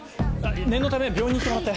念のため病院に行ってもらって。